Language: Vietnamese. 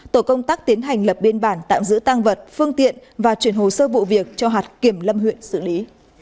tổ công tác tiến hành lập biên bản tạm giữ tăng vật phương tiện và chuyển hồ sơ vụ việc cho hạt kiểm lâm huyện xử lý